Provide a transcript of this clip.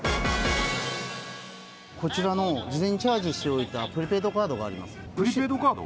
こちらの事前にチャージしておいた、プリペイドカードがありプリペイドカード？